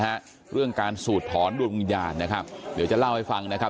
ฮะเรื่องการสูดถอนดวงวิญญาณนะครับเดี๋ยวจะเล่าให้ฟังนะครับ